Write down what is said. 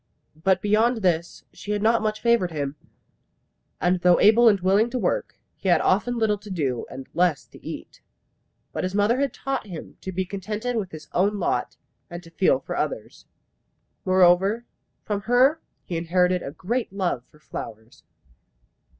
But beyond this she had not much favoured him; and though able and willing to work, he had often little to do, and less to eat. But his mother had taught him to be contented with his own lot, and to feel for others. Moreover, from her he inherited a great love for flowers.